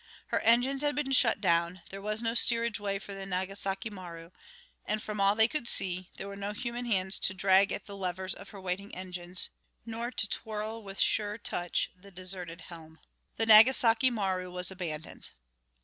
Her engines had been shut down; there was no steerage way for the Nagasaki Maru, and, from all they could see, there were no human hands to drag at the levers of her waiting engines nor to twirl with sure touch the deserted helm. The Nagasaki Maru was abandoned.